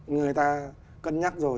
người ta cân nhắc rồi